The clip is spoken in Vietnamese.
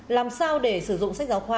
làm sao để sử dụng sách giáo khoa